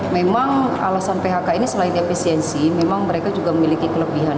memang alasan phk ini selain efisiensi memang mereka juga memiliki kelebihan